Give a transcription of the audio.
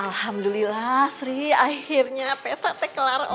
alhamdulillah sri akhirnya pesatnya kelar aja